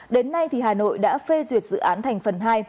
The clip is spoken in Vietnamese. đến nay hà nội đã phê duyệt dự án thành phần hai